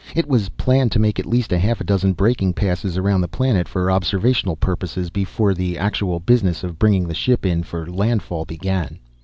It was planned to make at least a half dozen braking passes around the planet for observational purposes before the actual business of bringing the ship in for landfall began.